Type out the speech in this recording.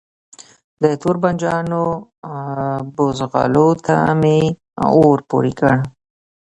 د توربانجانو بوزغلو ته می اور پوری کړ